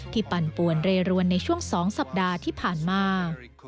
ปั่นป่วนเรรวนในช่วง๒สัปดาห์ที่ผ่านมา